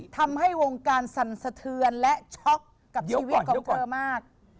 ทำให้วงการสั่นสะเทือนและช็อกกับชีวิตของเธอมาก